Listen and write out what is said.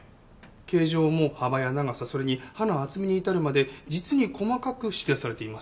形状も幅や長さそれに刃の厚みに至るまで実に細かく指定されています。